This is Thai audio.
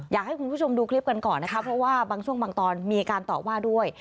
อยากให้คุณผู้ชมดูคลิปกันก่อนนะคะเพราะว่าบางช่วงบางตอนมีการต่อว่าด้วย